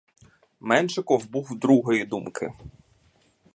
Меншиков був другої думки.